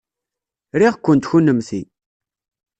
Riɣ-kent kennemti.